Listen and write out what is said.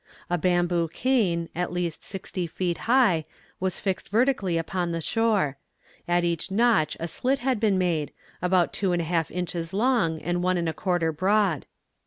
A bamboo cane, at least sixty feet high, was fixed vertically upon the shore. At each notch a slit had been made, about two and a half inches long and one and a quarter broad.